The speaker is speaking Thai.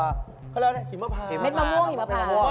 เขาเล่าไงหิมพาแม็ดแมวโม้งหิมพา